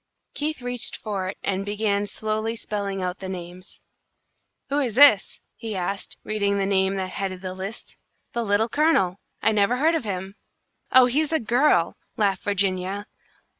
Keith reached for it, and began slowly spelling out the names. "Who is this?" he asked, reading the name that headed the list. "'The Little Colonel!' I never heard of him," "Oh, he's a girl!" laughed Virginia.